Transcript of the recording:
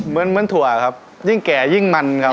เหมือนเหมือนถั่วครับยิ่งแก่ยิ่งมันครับ